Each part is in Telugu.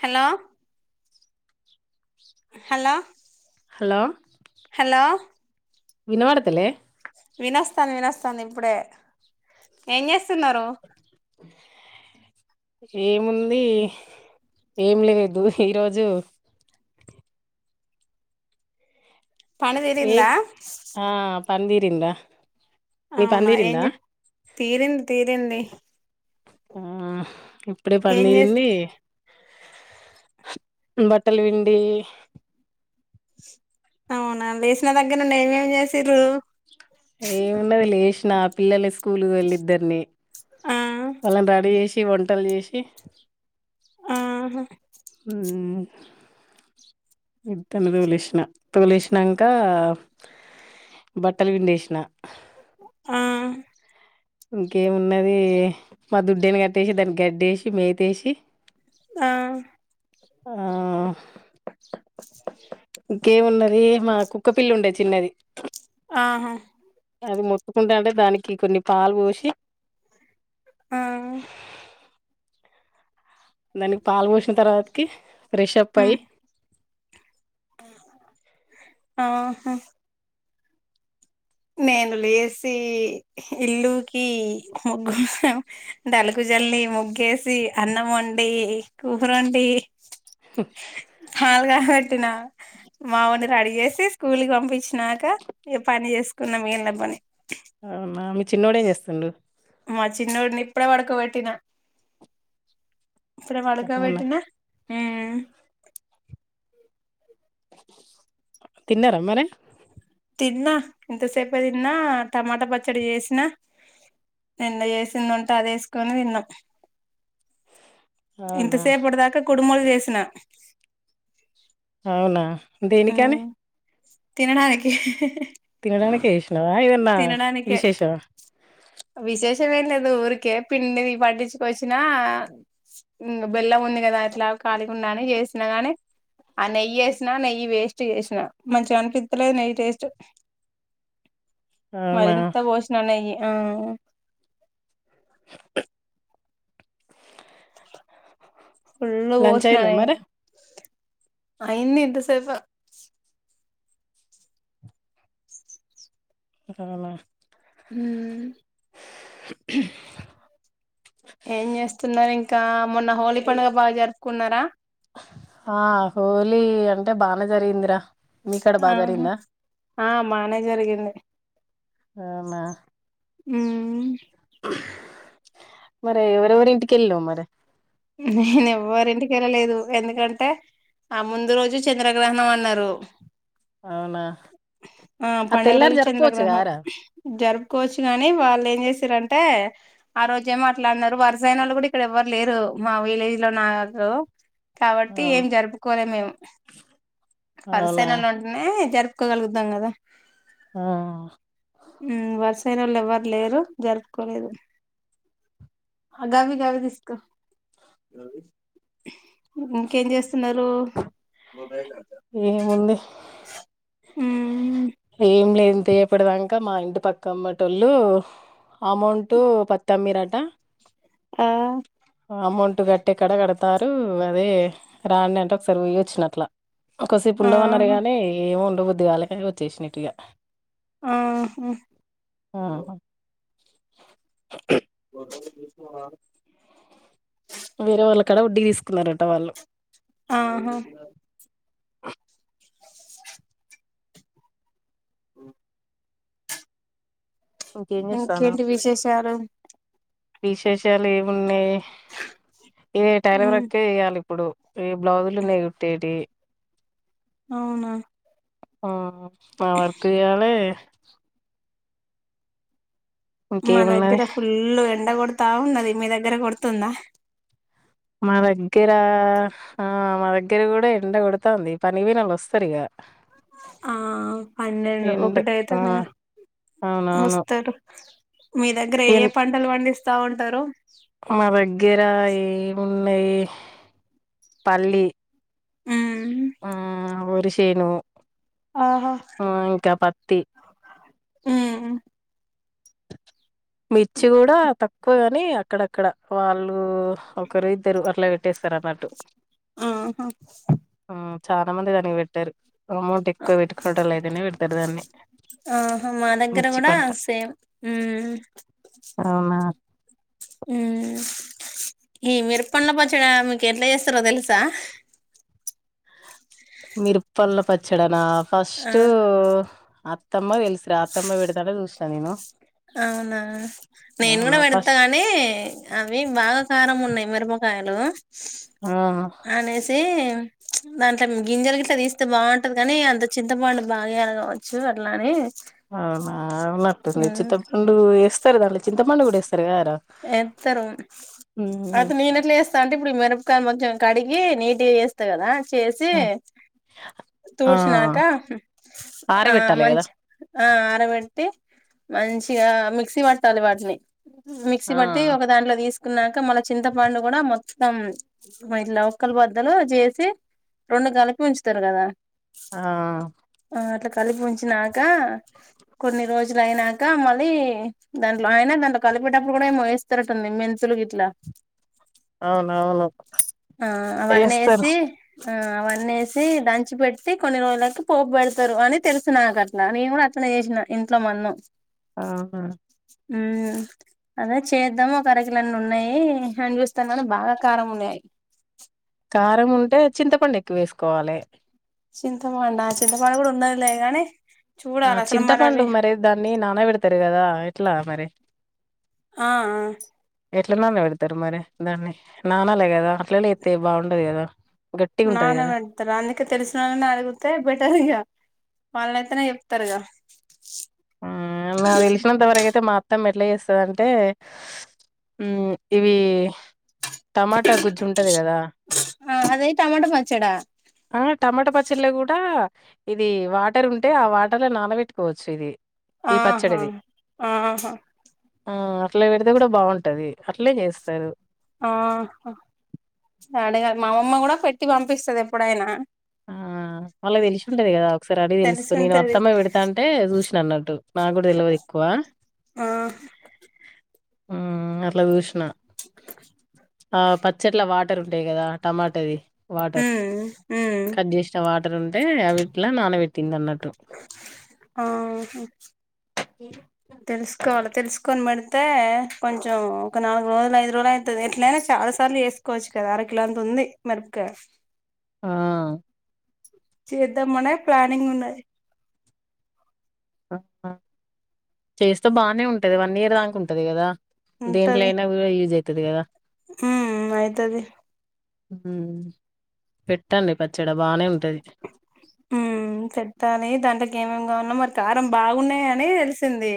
హలో హలో హలో హలో వినవాడతలే వినస్తాను వినస్తాను ఇప్పుడే ఏం చేస్తున్నారు ఏముంది ఏం లేదు ఈరోజు పని తెరిందా పని దీరింద అవునా ఏం తీరింది తీరింది ఆ ఇప్పుడే ఏం చేస్ పనిదీరింది బట్టలు పిండి అవునా వేసిన దగ్గర నేమేమి చేస్తా ఏమిన్నది లేష్ నా పిల్లలు కూల్ వెళద్దరిని ఆ ర చే వచ్చి వంటలు చేసి ఆహా ఆ ఇత్తను తోలేసిన తోలేసినాక బట్టలు పిండేసిన ఆ ఇంకేమున్నది మా దుడ్డని కట్టేసి దానికి గడ్డేసి మేతేసి ఆ ఆ ఇ ఇంకేమున్నది మా కుక్క పిల్లి ఉండేది చిన్నది ఆహా అది మొత్తుకుంటా అంటే దానికి కొన్ని పాలు పోసి ఆ దానికి పాలు పోసిన తర్వాతకి ఫ్రెష్ అప్ అయి ఉమ్ ఆహా నేను లేసి ఇల్లుకి ముగ్గు డలుగు జల్లి ముగ్గేసి అన్నం వండి కూర వండి చాాలుగా పెట్టినా మా వోని రెడీ చేసి స్కూల్కిి పంపించినాక ఏ పని చేసుకు న్న మీ [unintelligible] చిన్నోడుేం చేస్తుండు మా చిన్నోడిని ఇప్పుడే పడుకో పెట్టినా ఇప్పుడే పడుకో అవునా పెట్టిన తిన్నారా మరి తిన్నా ఇంతసేపు తిన్నా టమాటా పచ్చడి చేసినా నిన్న చేసింది ఉంటే అది వేసుకొని తిన్నాం అవునా ఇంతసేపటి దాకా కుడుమోలు చేసిన అవునా దేనికని ఉమ్ తినడానికి తినడానికినికిే చేసినవా ఎందన్న తినడానికే విశేషవా మే లేదు ఊరికే పిండి పట్టించుక వచ్చినా ఇం బెల్లం ఉంది కదా అట్లా కాలికుండాని చేసిన గాని ఆ నెయ్యి ఏసిన నెయి ఈ వేస్ట్ చేసినా మంచిగా కనిపిించలేదు నెయ్యి టేస్ట్ అవునా మరింత పోసిన నెయ్యి ఆ [unintelligible] ఫుళ లంచ్ పోసిన అయిందా నెయ్యి మరి అయిందింత సేపు [unintelligible] హ [unintelligible] ఏం చేస్తున్నారు ఇంకా మొన్న హోలీ పండుగ బాగా జరుపుకున్నారా ఆ హోలీ అంటే బాగా నే జరిగింది రా మీకాడ ఆ ఆ బానే జరిగింది అవునా ఆ మరి ఎవర ఎవరి ఇంటికెళ్ళవ్ మరి నేను ఎవ్వరింటిక వెళ్ళలేదు ఎందుకంటే ఆ ముందు రోజు చంద్రగ్రహణం అన్నారు అవునా ఆ పండుగ తెల్లారి రోజు జరుపుకోవచ్చు చంద్రగ్రహణం కదరా జరుపుకోవచ్చు గానీ వాళ్ళు ఏం చేస్తారంటే అంటే ఆ రోజేం మాట్లాడినారు వరుసైనా వాళ్ళు కూడా ఇక్కడ ఎవ్వరు లేరు మా విలేజ్ లో నాకు కాబట్టి ఏం జరుపుకోలే మేము వరుస అయిన అవునా వాళ్ళు ఉంటేనే జరుపు కో గలుగుతాం కదా ఆ పైనోళ్లు ఎవ్వరు లేరు జరుపుకోలేదు ఆ గవ్వి గవ్వి తీసుకో ఇంకేం చేస్తున్నారు ఏముంది ఉం ఏం లేంత యపడదాం ఇంకా మా ఇంటి పక్క అమ్మటోళ్ళు అమౌంట్ పత్తమ్మిరాట ఆ అమౌంట్ కట్టిక్కడ కడతారు అదే రాండి అంటే ఒకసారి పొయ్యి వచ్చినట్లా ఒకసేపు ఉండవన్నారు ఆహా గని ఏమో బుద్దిగాలే చ్చేషినిట్గా ఆ హా ఆ [inaudible] [inaudible] వేరే వాళ్ళ కాడ వడ్డి తీసుకున్నారట వాళ్ళు ఆహా [inaudible] ఉ ఇంకేం చేస్తానవ్ ఇంకేంటి విశేషాలు విశేషాలు ఏమున్నాయి ఇగ టైలర్ మ్మ్ వర్క్ కె చెయ్యాలి ఇప్పుడు ఈ బ్లౌజులు ఉన్నయి గుట్టెటి యి అవునా ఆ వర్క్ చేయాలె మా ఇంకేమున్నది దగ్గర ఫుల్ ఎండ కొడుతు తా ఉన్నది మీ దగ్గర కొడుతుందా మా దగ్గర ఆ మా దగ్గర కూడా ఎండ కొడుతంది పని పోయినోళ్ళు వస్తారు ఇక ఆ పన్నెండు ఎండ ఆ! ఒకటయితాంది కదా అవునవును. వస్తారు మీ దగ్గర ఏ ఎన్ పంటలు పండిస్తా స్తా ఉంటారు మా దగ్గర ఏము నెయ్యి పల్లి ఉమ్ ఆ వరి చేను ఆహా ఆ గా పత్తి ఉమ్ మిర్చి కూడా తక్కువగ న్నీ అక్కడక్కడ వాళ్ళు ఒక్కరూ ఇద్దరూ అట్ల పె టేస్తర్ అన్నట్టు ఆహా ఉమ్ చాలా మంది దాన్ని పెట్టారు అమౌంట్ ఎక్కువ పెట్టుకోడం లేదని తనే పెడతారు దాన్ని ఆహా మా దగ్గర మిర్చి కూడా పంట సేమ్ ఉమ్ అవునా ఉమ్ ఈ మిరపండ్ల పచ్చడ మీకు ఎట్లా చేస్తరో తెలుస మిరపళ్ళ పచ్చడనా ఆ ఫస్ట్టా అత్తమ్మ తెలి శ్రా ఆతమ్మ పెడుతుంటే చూస త నేను అవునా నేను కూడ అవునా పెడతా ఫస్ట్ గానీ అవి బాగ కారం ఉన్నాయి మేరపకాయలు ఆహ యితే దాంట్లో గింజలు గిట్ల తీస్తే బాగుంటది గాని అంత చింతపండు బాగోదు కావచ్చు అట్లానే అవునా ఉన్నట్టుంది చింత ఉండు వేస్తారు దాంట్లో చింతపండు కూడా ఇస్తారు ఎంత రూమ్ ఎత్తరు ఉమ్ అది నేను ఎట్ల చేస్తానండి ఇప్పుడు మిరపకాయ మొచెం కడిగి నీటిగా చేస్తా కదా చేసి ఆ ఆ, తూర్ష్నాక ఆ ఆరబెట్టాలి కదా మంచి ఆ ఆరబెట్టి మంచిగా మిక్సీ పట్టాలి వాటిని మిక్సీ ఆ పట్టి ఒక దాంట్లో తీసుకొ తీన్నాక మళ్ళ చింతపండు కూడా మొత్తం ఇట్లా లోక్కల బద్దలు చేసి రెండు కలిపి ఉంచుతారు కదా ఆ. ఆ అట్లా కలిపి ఉంచినాక కొన్ని రోజులైనాక మళ్లీ దాంట్లో అయినా దాంట్లో కలిపేటప్పుడు. కూడా ఏమో ఏస్తారంట కదా మెంతులు గిట్ల. అవును అవును ఆ అవన్నీ వేసి ఆ అవన్నీసి దంచిపెట్టి కొన్ని రోజులకు పోపు పెడతారు అని తెలుసు నాకట్ల నేను కూడా అట్లనే చేసేదాన్ని ఇంట్లో మందం. ఆహ అదే చేద్దాం ఒక అరకిలన్నీ ఉన్నాయి అని చూస్తాను బాగా కారం ఉన్నాయి. కారం ఉంటే చింతపండు ఎక్కువ వేసుకోవాలె చింతపండు చింతపండు కూడా ఉన్నదిలే గాని ఆ చూడాలి అసలు మరి చింతపండు అవి మరె దాన్ని నానబెడతారు కదా ఎట్లా మరి ఆ ఆ. ఎట్ల నాన్న పెడతారు మరి దాన్ని నాన్న లే కదా అట్లనే ఎత్తే ఏం బాగుండదు కదా. గట్టిగా ఉంటది నాన్న కదా పెడతారు అందుకే తెలిసినోళ్ళని అడుగుతే బెటర్ ఇగ వాళ్లయితేనే చెప్తారు గా. మ్మ్ నాక్ తెలిసినంతవరకు అయితే మా అత్తమ్మే. ఎట్లా చేస్తది అంటే ఉమ్ ఇవి టమాటా గుజ్జు ఉంటది కదా. ఆ అది టమాటా పచ్చడ. ఆ టమాట పచ్చడిలా కూడా ఇది వాటర్ ఉంటే వాటర్ లో నానబెట్టుకోవచ్చు. ఈ ఆహ పచ్చడిది ఆహ ఆ అట్లా పెడితే కూడా బాగుంటది అట్లే చేస్తారు. అహ [unintelligible] మా అమ్మమ్మ కూడా పెట్టి పంపిస్తది ఎప్పుడైనా. ఆ వాళ్లకి తెలిసి ఉంటది కదా ఒకసారి అడిగి తెలుసుకో నేను తెలిసుంటది అత్తమ్మ పెడుతంటే చూసిన అన్నట్టు నాకుడా తెలవది ఎక్కువ. ఆ ఉమ్ అట్లా చూషి అ ఆ పచ్చట్ల వాటర్ ఉంటాయి కదా. టమాటా ది మ్మ్ మ్మ్ కట్ చేసిన వాటర్ ఉంటే అవి ఇట్ల నానబెట్టింది అన్నట్టు. తెలుసుకోవాల తెలుసుకొని పెడితే కొంచెం ఒక నాలుగు రోజులు ఐదు రోజులు అయితది ఎట్లైనా చాలాసార్లు చేసుకోవచ్చు కదా అరకిలంతా ఉంది మిరపకాయ. ఆ చేద్దామనే ప్లానింగ్ ఉన్నది. చేస్తే బానే ఉంటది వన్ ఇయర్ దాక ఉంటది కదా. దేంట్లో అయినా కూడా యూజ్యే టది కదా మ్మ్ అయితది. పెట్టండి పచ్చడ బానే ఉంటది మ్మ్ చెప్పనే దాంట్లోకి ఏమేమి గవనో మరి కారం బాగున్నాయి అని తెలిసింది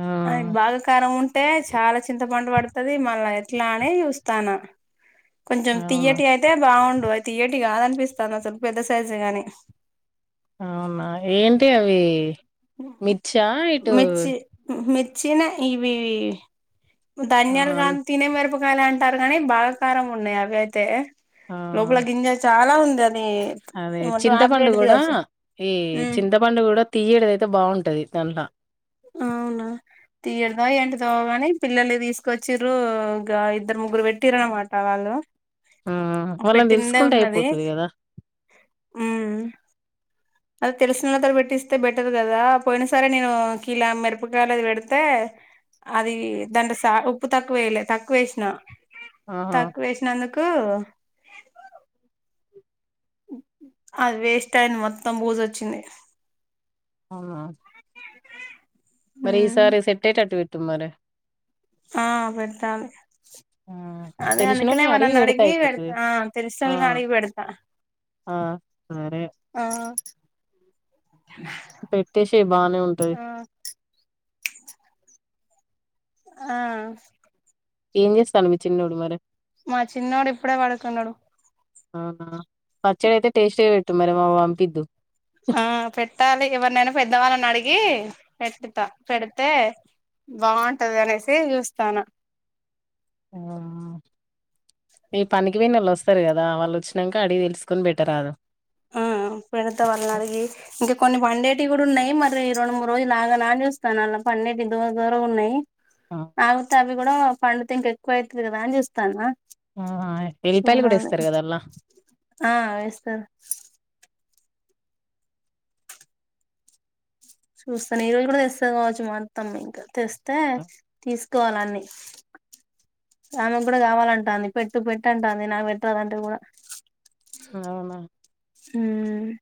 ఆ! అది బాగా కారం ఉంటే చాలా చింతపండు పడ్ వస్తది మళ్ళా ఎట్లా అనీ చూస్తాన కొంచెం అవునా! తీయటి అయితే బాగుండు అ తీయటి గావ్ అనిపిస్తాది అసలు పేద తజ్ గానీ అవునా ఏంటి అవి మిర్చా ఇటు చ్చిన ఇవి ఆ! ధన్యాల్గాది తినే వార్ గాల అంటారు గాని బాగ్ కారం ఉన్నాయి అవి అయితే ఆ! లోపల గింజాలు చాలా ఉం దని అదే చింతపండు కూడా ఈ ఉమ్ చింతపండు కూడా తియ్యటిది అయితే బాగుంటది దాంట్ల అవునా తీయడదా ఏంటిదొ కాని పిల్లల్ని తీసుకొచ్చిరూ ఇగా ఇద్దరు ముగ్గురు పెట్టింరు అనమాట వాళ్ళు ఆ! వాళ్ళని పెట్టిందే దెలుసుకుంటే ఉన్నది అయిపోతది గదా! ఉమ్ అది తెలిసిన [unintelligible] పెట్టిస్తే బెటర్ కదా పోయిన సరే నేను కిలా మిరపకాయలది పెడితే అది దాంట్లో సా ఉప్పు తక్కువ వేయలే తక్కువ వేసిన ఆహా! తక్కువ వేసినందుకు అది వేస్ట్ అయింది మొత్తం బూజ్ అచ్చింది అవునా మరి ఈ ఉమ్, సారి సెట్టయేటట్టు పెట్ టు మరి ఆ పెడతాలే ఆ! అదే అందుకనే తెలిసినోళ్ళని ఎవళ్ళైన పెడితే అడిగి అయిపోతది పెడతా ఆ ఆ తెలిస్నోళ్లని అడిగి పెడతా ఆ సరే ఆ పెట్టేశేయి బాగనే ఉంటది ఆ ఆ ఏం చేస్తాండు మీ చిన్నోడు మరి మా చిన్నోడు ఇప్పుడే పడుకున్నడు అవునా పచ్చడి అయితే టెస్టీగా పెట్టు మరి మాకు పంపిద్దు పెద్దవాలని అడిగి పెట్టుత పెడితే బాగుంటది అనేసి చూస్తానా [unintelligible] ఈ పనికి పోయినోళ్ళు వస్తారు కదా వాళ్ళు వచ్చినంక అడిగి తెలుసుకొని బెట్టరాదు ఆ పెడత వాళ్ళని అడిగి ఇంకా కొన్ని పండేటి ఉన్ డు ఉన్నాయి మరి రెండు మూడు రోజులు ఆగాల అని చూస్తాన్న అలా పండేటి దూర దూరం ఉన్నయి ఆ ఆగు త అవి కూడా పండుతే ఇంక ఎక్కువ అయితది కదా అని చూస్తాన్న ఆ! ఎల్లిపాయలు కూడా చూడాలి ఏస్తారు కదా అల్లా ఆ వేస్తా చూస్తాను ఈ రోజు కూడా తెస్తది కావచ్చు మా అత్తమ్మ ఇంకా తెస్తే తీసుకోవాలి అన్ని ఆమెకు కూడా కావాలంటాంది పెట్టు పెట్టంటంది నాకు పెట్టరాదు అంటే కూడా అవునా హమ్